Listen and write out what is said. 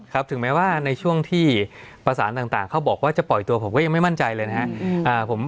ถึงแม้ว่าในช่วงที่ประสานต่างเขาบอกว่าจะปล่อยตัวผมก็ยังไม่มั่นใจเลยนะครับ